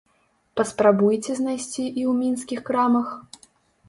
Паспрабуйце знайсці і ў мінскіх крамах?